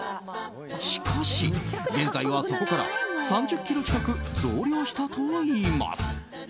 しかし、現在はそこから３０ｋｇ近く増量したといいます。